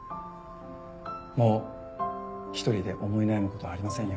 もう一人で思い悩む事はありませんよ